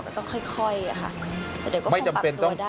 ก็ต้องค่อยอะค่ะแต่เดี๋ยวก็คงปรับตัวได้